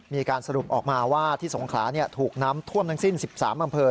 มีการสรุปออกมาว่าที่สงขลาถูกน้ำท่วมทั้งสิ้น๑๓อำเภอ